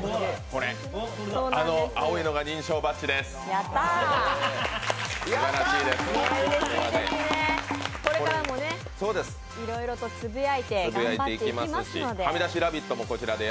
これからもいろいろつぶやいていきますので。